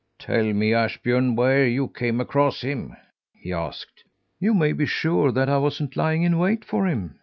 "Tell me, Ashbjörn, where you came across him?" he asked. "You may be sure that I wasn't lying in wait for him!"